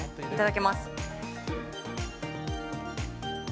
いただきます。